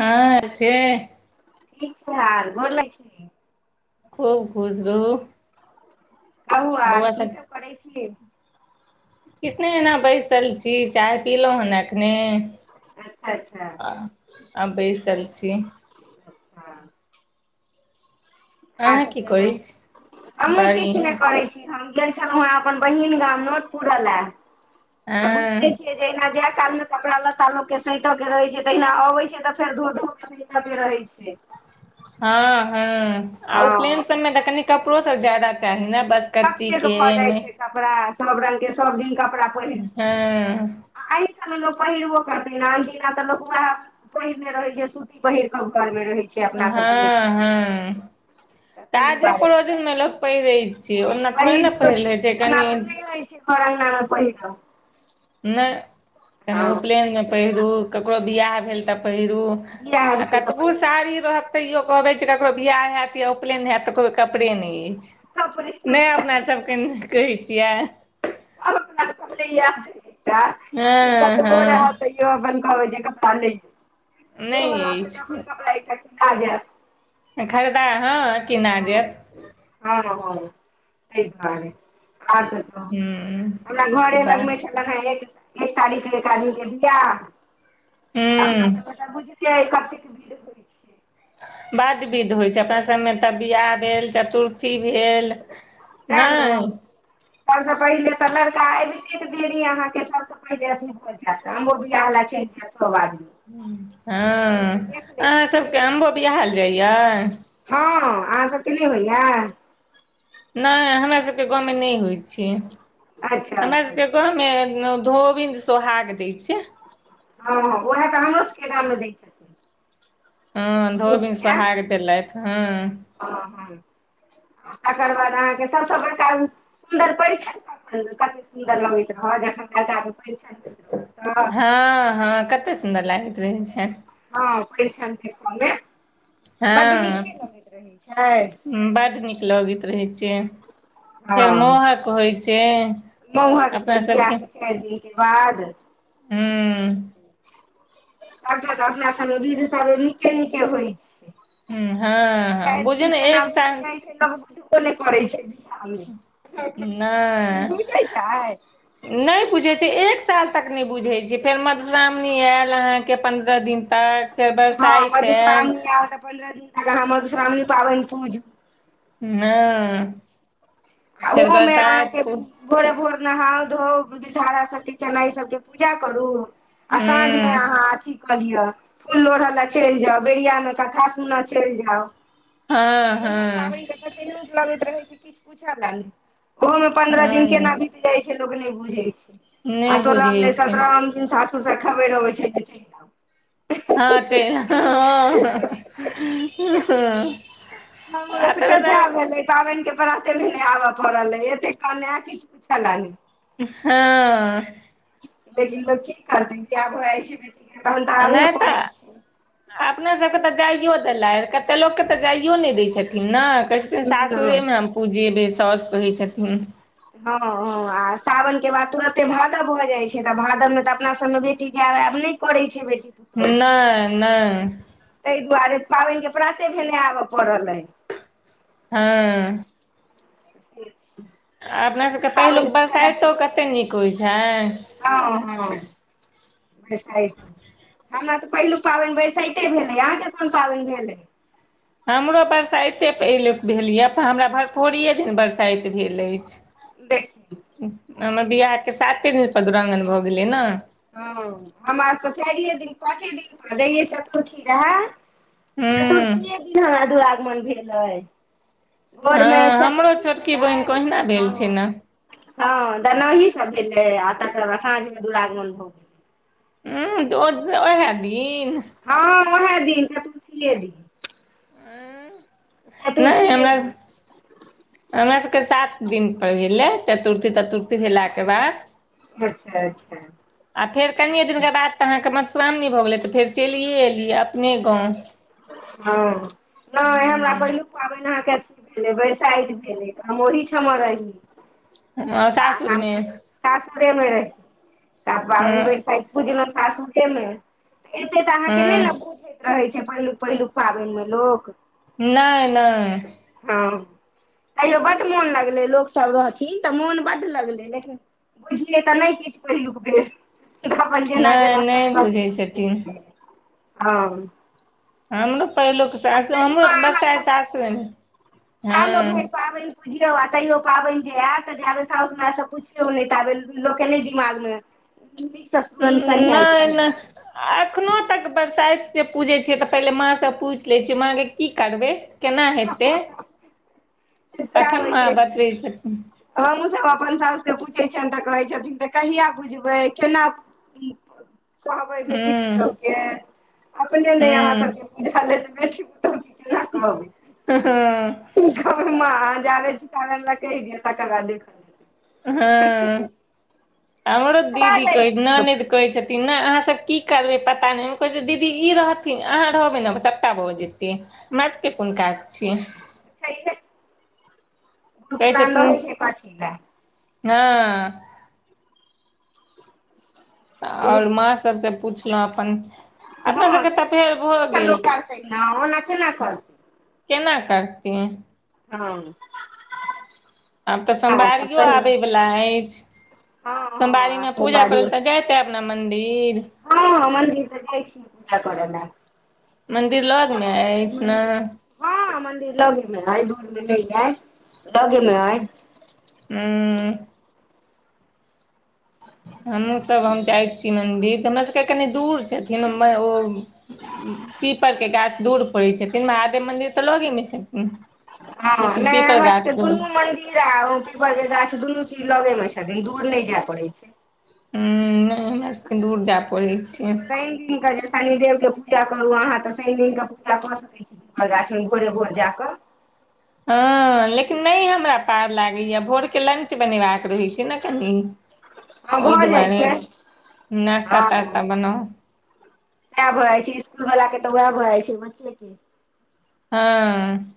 हँ से [unintelligible] गोर लगै छी। खूब खुश रहू। कहू आर की सब करै छि। किछ नै एना बैसल छी चाय पीलहुं हन एख ने अच्छा अच्छा आ आ बैसल छी। अच्छा आर अहाँ सब की कहैयो करै छी अहूँ किछ बढ़िया नय करै छी। हम गेल छलहु हें अपन बहिन गाम नोत पुरअ लै त बुझिते हँ छी जहिना जाय काल मे कपड़ा लत्ता लोक के सैंत के रहे छै तहिना अबे छै तऽ फेर धो धोक सैंत के रहै छै। हँ हँ आ उपलेन हँ सब मे तऽ कनि कपड़ो सब ज्यादा चाही ने बस कतेक भऽ जाइ छै कपड़ा सब रंग के सब दिन कपड़ा पहिर हँ। आ एहि सबमे लोक पहिरबो करतै ना अनदिना तऽ लोक वएह पहिरने रहे छै सूती पहिर क घर में रहै छै। अपना सबके हँ मिथिलामे हँ तऽ ताहि काजे दुआरे परोजन मे लोक पैहरै छै ओना थोड़े ना पहिरलै छै कनी की घर अंगना मे पहिरब नय कनि हँ उपनयन मे पहिरू ककरो बियाह भेल तऽ पहिरू। बियाह आ भेल तऽ कतबु पहिर साड़ी रहत तैयो कहबे जे केकरो बियाह हयत या उपनयन हयत त कहबै कपड़े नै अइ। कपड़े नय अपना सब के कहै छियै। [unintelligible] ई हँ कतबों रहत हँ तैयो अपन कहबै जे कपड़ा नैया अइ, जे ओहो नहि लाथे तऽ अपन अछि कपड़ा एकटा कीना जैत। खरीदै हॅं हॅं हँ ह तय दुआरे आर सब ठीक हमरा हूँ घरे लग वाह मे छै। एखन रहे एक एकतारीख एक आदमी के बिआह अपना हूँ सब के त बुझ छीयै कतेक विध होई बड्ड विध होइ छै अपना सभ मे तऽ ब्याह भेल चतुर्थी भेल तए ने नहि सभ सँ पहिले तऽ लड़का अबितेक देरी अहाँके सभ अथी भऽ जैत आमो बियाह ल चैल जाएत सब आदमी। हँ पहिले देख लै अहाँ सबके छथिन अम्बो बियाहल जाइया? हँ अहाँ सबके नय होइया नय हमरा सभके गाँव मे नय होइ छै। अच्छा हमरा अच्छा सबके अच्छा घर मे धोबिन सोहाग दै छय हँ उएह तऽ हमरो सबके गाम मे दै छथि। हँ धोबीन सोहाग देलथि हँ हं हं तकर बाद अहाँके सब सँ बड़का सुन्दर परिछैन कते सुन्दर लगैत रह जखन लड़का के हँ हँ कते सुन्दर लागैत रहै छै। हँ परिछैन देख में। हँ छै बड नीक लगैत रहै छै फेर मौहक होइ छै। महुअक अपना भेल सबके बियाहके चारि दिन के बाद हूँ सबटा त अपना सब में बिध त नीके निके होइ छै। हूं हँ हँ चारि बुझू दिन ने केना एक बित साल जाइ छै लोक बुझबो ओ नै करै छै बियाह में ई नहि बुझै छै। नहि बुझै छैय एक साल तक नहि बुझै छैय फेर मधुश्रावणी आयल अहाँके पन्द्रह दिन तक फेर हँ बरसाइत आयल मधुश्रामणी ऐल तऽ पन्द्रह दिन फेर अहाॅं मधुश्रावणी पाबनि पूजू। तो से हँ छै आ फेर ओहोमे बरसाइत अहाँके हूँ भोरे भोर नहाउ धोउ विषहारा सबके चेनाइ सबके पूजा करू आ साँझमे हँ अहाँ अथी कऽ लिअ। फूललोढ़य लै चलि जाउ बेरिया मे कथा सुन चलि जाउ। ओहो हँ पाबनि तऽ कते नीक लगैत रहै छै किछु पूछय लै नै। ओहो में पन्द्रह दिन हँ केना बीत जाइ छै लोग नहि बुझै छै आ नहि सोलहम बुझै नहि छै सत्रहम दिन सासुर सासूर स खबरि अबै छै जे चलिए आउ। हाँ चैल आउ, हॉं-ह-ह-ह-ह-हॅं। हमरो सब के सैह भेलै, पाबैन के प्राते भने आबऽ पड़लै, एते कनाऽ किछु पुछऽ लैय नैय। हँ। लेकिन ल की करथिन? [unintelligible] छी भेट। नै तऽ अपना सभके तऽ जाइयो देलथि, कतेक लोककेँ तऽ जाइयो नहि दै छथिन न। कहै छथिन हँ सासुरेमे हम पूजेबै, साउस कहै छथिन। हँ-हँ, आ सावनके बाद तुरते भादव भऽ जाइ छै, तऽ भादव मे तऽ अपना सब में बेटी के आब-आब नहि करै छै बेटी नैय-नैय। तइ दुआरे पाबैन के प्राते भेने आबऽ पड़ल अइ। हँ। [inaudible] अपना सभके लेकिन पहिलुक पाबनि पूजा बरसाइतो कतेक नीक होइत छै? हँ-हँ। बरसाइत, हमरा तऽ पहिलु पाबैन बरसाइते भेल अइ, अहाँ के कुन पाबैन भेल अइ? हमरो बरसाइते पहिले भेल यैऽ, हमरा भरफोरीये दिन बरसाइत भेल अछि। देख हमर बियाहके साते दिन पर दूरागमन भऽ गेलै न। हँ, हमरा तऽ चारिए दिन पाँचे दिन पर, जहिये चतुरथी रहैऽ? हूँ चतुर्थीए दिन हमरा दुरागमन भेल अइ। भोर मे हँ हमरो चतुथी छोटकी बहिनके भेलइ, ओहिना भेल हॉं। छै ने हँ, दनाॅही सब भेलै, आ तकर बाद साँझ मे दुरागमन भऽ गेलै। ऊंऽ, ओतऽ ओहैऽ दिन? हँ ओहैऽ दिन, चतुरथिये दिन। नैय चतुर्थीये हमरा दिन हमरा सबके सात दिनपर भेलै, चतुर्थी-ततुर्थी भेलाके बाद। अच्छा अच्छा आ फेर कनिए दिनके बाद अहाँके मधुश्रामनी भऽ गेलै, तऽ फेर चैलिए एलियै अपने गाँव। हँ, नैय हमरा पहिलुक पाबैन अहाँके अथी बरसाइत भेलैइ, त हम ओहिठमा रही, हूँ तऽ सासुरमे अहाँके सासुररे मे रही, त पाबैन हूँ बरसाइत पूजलौं सासुरे में। त एते टा अहाँके नैय न हूँ बुझैत रहैत छै पहिलुक-पहिलुक पाबैन मे लोक? नैय-नैय। हँ, तैयो बड मोन लगलै, लोक सब रहथिन तऽ मोन बड्ड लगलै लेकिन बुझियै तऽ नहि किछु पहिलुक बेर। अपन जेना नहि जेना नहि सब बुझै छथिन कहलखिन [unintelligible] हाॅं। हमरो पहिलुक सासू, हमरो अहाँ बरसाइत सब सासुरे में सालो भरि पाबैन पुजियौ आ तैयो पाबैन जे ऐऽत, जाबेत साउस-ननैद स पुछियौ नैय ताबे लोक के नैय दिमाग में नीक स [unintelligible] सन्हियैत रहै छै। अखनो तक बरसाइत जे पूजै छियै, तऽ पहिले माँ सँ पूछि लैत छियै माँ गैऽ की करबै? केना हेतै? सएह तखन होइ मॉं छै बतबै छथिन। हमहूँ सब अपन साउस के पूछै छियैन तऽ कहै छथिन, तऽ कहिया बुझबै केना कि करु? कहबै बेटी पुतहु हूँ के, अपने ने अहाँ हूँ सबके बुझल ऐ त बेटी पुतहुके केना कहबै। ह ह। घरमे अहाँ, जाबे छी ताबे लटकि गेल तकर बाद देखल हं [inaudible] हमरो जेतै बिसरा दीदी जाइ कहै, छै लोक ननदि के कहै छथी न अहाँ सब की करबै पता नै? हम कहै छिअइ दीदी ई रहथिन, अहाँ रहबै न बस सबटा भ जेतै। हमरा सबके कोन काज छै। [unintelligible] कहै कुरकुरान छथिन रहै छै कथी लए [inaudible] हँ छैहे आओर माँ सबसं पुछलौं अपन। अपना हं सबके से तऽ फेर पुइछे भऽ पुछिक लोक गेल करतै न ओना केना करतै? केना करतेै? हँ। आब त आर सब सोमवारियो कहियौ आबै बला अछि। हँ हँ आर सोमवारीमे सब पूजा करै ले त जाइत हैब न मन्दिर? हं मन्दिर त जाइ छी हम, पूजा कर ला। मन्दिर लग मे अछि न। हं मंदिर लगेमे ऐ, दूरमे नै ऐ लगेमे ऐ। उं। हमहुं सब ताहि हम जाइ दुआरे छी मन्दिर त हमरा सबके कनी दूर छथिन हमर ओ। पीपरके गाछ दूर परै छथिन, महादेव मंन्दिर त लगे मे छथिन। हं लेकिन नै पीपर हमरा गाछ सबके दूर दुनू मन्दिर केरा ओ पीपर के गाछ दुनू चीज लगेमे छथिन दूर नै जाए पड़ै छै। हुं नै हमरा सबके दूर जाए परै छै। [unintelligible] शनिदेवके पूजा करू अहाँ त शनि दिन क पूजा क सकै छी, पीपर गाछमे भोरे भोर जा क। हं लेकिन नै हमरा पार लागैया भोर के लंच बनेबाक रहै छै ने कनी। हँ ओइ भऽ जाइ दुआरे छै नाश्ता तास्ता बनाउ। सैह भ जाइ छै, इसकुल बला के त वैह भ जाइ छै बच्चे के। हँ।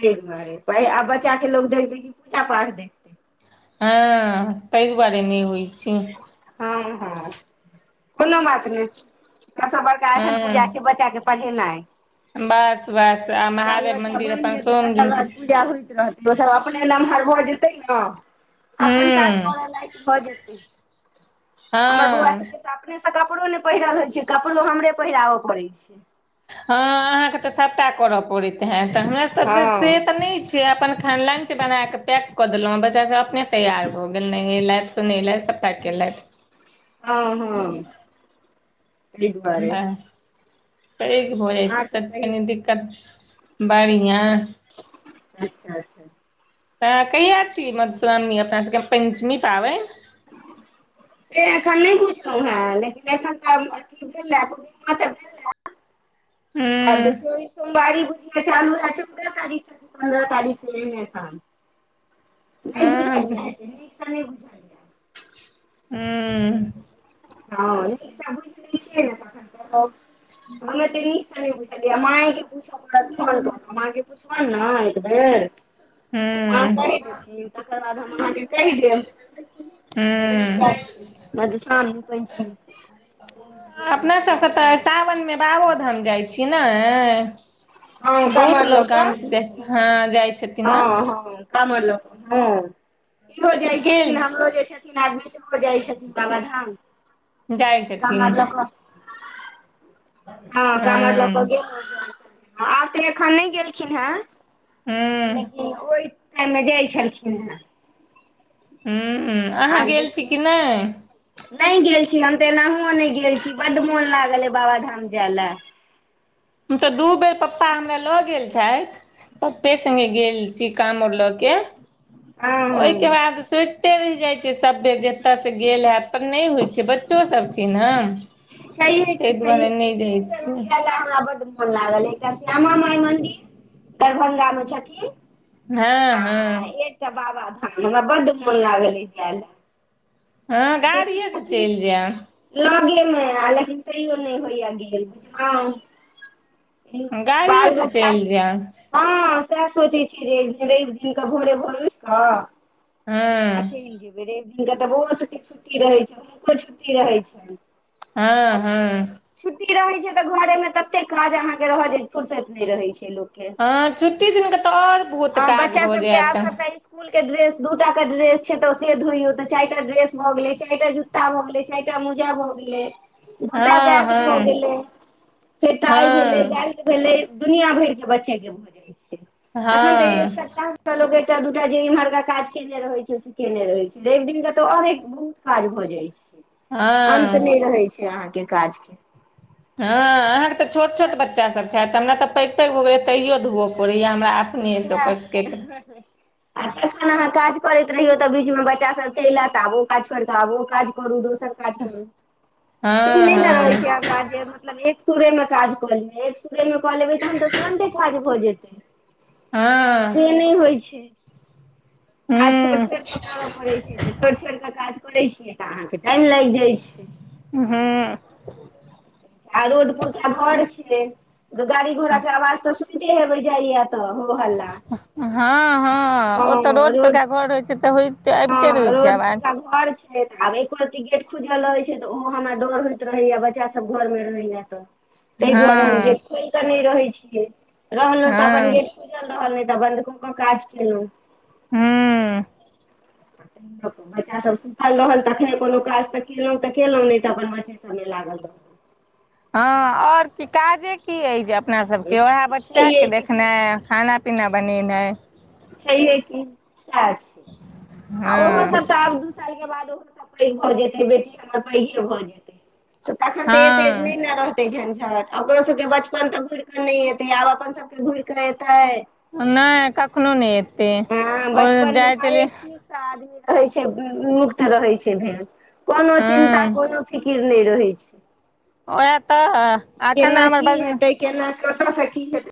तै दुआरे, भाइ आब बच्चा के लोग देखतै कि पूजा पाठ देख हँ तै दुआरे नै होइ छै हं हं कोनो बात नै, सबसं बड़का एखन पूजा छै बच्चा के पढ़ेनाइ। बस-बस। बाल बच्चा बनि जेतै तकर बाद पूजा होइत रह दोसर अपने नमहर भ जेतै न, अपन काज हँ कर लायक भ जेतै। हमर बौआ हँ सबके त अपने सं कपड़ो ने पहिरल होइ छै, कपड़ो हमरे पहिराब पड़ै छै। हँ अहाँके त सबटा कर परैत हैत। हमरा सबके से हँ त नै छै अपन [unintelligible] लंच बनाके पैक क देलौं बच चा सब अपने तैयार भ गेल, नहेलैथ सुनेलैथ सबटा केलैथ। तै दुआरे पैघ भ जाइ छै आर त सब कनी कहियौ दिक्कत बढ़िआं अच्छा-अच्छा। त कहिया छी मधुश्रावणी अपना सबके, पैन्चमी पाबैन। से एखन न‌इ बुछलहुं है लेकिन एखन त अथी भेल है पूर्णिमा त भेल है। हूं आब देखीयौ इ सोमवारी बुझीओ चालू हैत चौदह तारीख पन्द्रह तारीख [unintelligible] न‌इ हूँ बुझलियै नीक स नै बुझलियै हूं हँ नीक स बुइझ लै छीयै ने तखनि कहब। हमु एते नीक स न‌इ बुझलियै ऐ माँए के पुछ‌ पड़त फोन क क माँ के पूछबन न एक बेर त माँ हूँ कहि देथिन तकर बाद हम अहाँके कहि देब। यैह हूँ छै मधुश्रावणी पॅंचमी। [unintelligible] अपना सबके तऽ सावनमे बाबोधाम जाइ छी ने। हँ बहुत काँवर लऽ लोक कऽ गामस जाइ छथिन हाॅं जाइ। छथिन ने हँ हँ कांवर लऽ कऽ हँ। इहो जाइ छथिन गेल हमरो जे छथिन आदमी सेहो जाइ छथिन बाबाधाम। जाइ छथिन। काँवर लऽ कऽ हँ काँवर लऽ क गेल रहथिन आब तऽ एखन नहि गेलखिन हैं। हूँ लेकिन ओहि टाइम मे जाइ छलखिन हैं। हू अहाँ गेल छी की न‌इ? न‌इ गेल छी हम तऽ एनाहुओ नहि गेल छी बड मोन लागल ऐ बाबाधाम जै लै। हम तऽ दू बेर पप्पा हमरा लऽ गेल छैथ। पप्पे संगे गेल छी कांवर लऽ के ओहिके हँ बाद सोचि ते रहि जाइ छै सब बेर जे एत स गेल हेत पर नहि होइ छै बच्चो सब छै न। छैहे की छैही की दु जगह छियै जै लै हमरा बड मोन लागल ऐ एकटा श्यामा माय मंदीर दरभंगा में छथिन हँ आ हँ एकटा बाबाधाम हमरा बड मोन लागल ऐ जाय लै। हँ जे कि गाड़िए से छथिन चलि जायब लगेमे आ लेकिन तैयो नहि होइयै गेल, आं गाड़िए स चैल जैब। हँ सैह सोचै छीयै जे एक दिन रैब दिन क भोरे भोर उइठ कऽ आ हँ चैल जेबै रैब दिन क तऽ बौओ सब के छुटी रहै छन हुनको छुट्टी रहै छैन। हँ हँ। छुट्टी रहै छै तऽ घरे मे तते काज अहाँके रहत जे फुर्सत न‌इ रहै छै लोक के हँ छुट्टी दिनके तऽ आओर बहुत आ काज बच्चा भऽ सबके जायत आ सबटा इस इस्कूल के ड्रेस दू टा क ड्रेस छै त से धोइयौ त चाइर टा ड्रेस भऽ गेलै चाइरटा जूता भऽ गेलै चाइरटा मोजा भऽ गेलै। दुटा हँ बैग भऽ हँ गेलै फेर टाइ भेलै हँ बेल् भेलै दुनिया भैर के बच्चे के भऽ जाइ छै तखन तऽ एक हँ सप्ताह त लोक एकटा दूटा जे इम्हरका काज केने रहे छै से केने रहे छै रैब दिन के त और एक बहुत काज भऽ जाइ छै अंत हँ न‌इ रहै छै अहाँके काज के हँ अहाँके तऽ छोट छोट बच्चा सब छैथ हमरा तऽ पैघ पैघ भऽ गेलै तैयो धोअ पड़ैया हमरा आब सैह छै। आ तखन अहाँ काज करैत रहियौ तऽ बीचमे बच्चा सब चलि आयत आब ओ काज छोइर करिकऽ आबो काज करू दोसर काज करू ई हँ नहि ने होइ छै हँ हमरा जे मतलब एक सुरे मे काज क लेब एकसुरेमे कऽ लेबै तहन तऽ तुरन्ते काज भऽ जेतै, हँ से नहि होइ छै। काज छोड़ि हूँ -छोड़ि कऽ करय पड़य छै, तऽ छोरई- छोड़ि कऽ काज करैत छियै तऽ, अहाँके टाइम लागि जाइत छै। हूं। आ रोड पुरका घर छै, गाड़ी- घोड़ा के आवाज तऽ सुनिते हेबे जाइया तऽ। हो हला। हँ -हँ ओतऽ रोड परका घर रहै छै तऽ, होइते अबिते हँ रहै छै रोड आवाज। पुरका घर आब एको रत्ती गेट खुजल रहै छै तऽ, ओहो हमरा डर होइत रहैया बच्चा सब घर मे रहय या तऽ। ताहि दुआरे हम हँ गेट खोल कऽ नहि रहैत छियै, रहलहुँ तऽ अपन हँ गेट खुजल रहल, नय त बंद कक काज केलो। हुँ। त बच्चा सब सुतल रहल तऽ, तखने कोनो काज तऽ केलहुँ तऽ केलहुँ, नहि तऽ अपन बच्चे समय लागल त। हँ और की काजे की अछि जे अपनासभके, उएह बच्चाके छैहे कि छै देखनाइ, खाना पीना बनेनाइ। छैहे की सएह छै, आ ओहो हँ सब त आब दु साल के बाद ओ सब पैघ भऽ जेते, बेटी हमर पैघे भए जेतै। तखन त ऐते हँ नै ने रह ते झंझट अपनो सब के बचपन तऽ घूर कऽ नहि एते, आब अपन सबके घूर कऽ एते। नहि कखनो नहि एते, हँ ओ बचपन मे जाइ छलिय हरेक चीज से आदमी रहै छै मुक्त रहै छै भेल, कोनो हँ चिन्ता कोनो फिक थिर नहि रहै छै। ओएह तऽ एखन केना की हमर ब हेतै केना कत स, की हेतै।